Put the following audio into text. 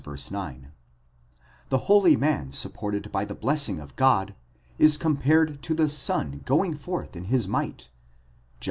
9); the holy man supported by the blessing of God, is compared to the sun going forth in his might (Judg.